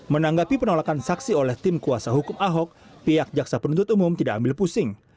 menanggapi penolakan saksi oleh tim kuasa hukum ahok pihak jaksa penuntut umum tidak ambil pusing